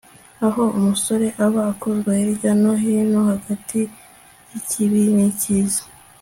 aho umusore aba akozwa hirya no hino hagati y'ikibi n'icyiza